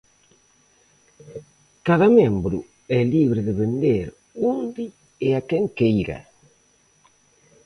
Cada membro é libre de vender onde e a quen queira.